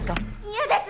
嫌です！